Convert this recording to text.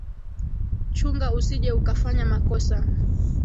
Chunga usije ukafanya makosa